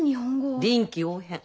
臨機応変。